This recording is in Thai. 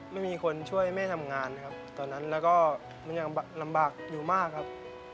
ไม่มีคนช่วยแม่ทำงานนะครับตอนนั้นแล้วก็มันยังลำบากอยู่มากครับ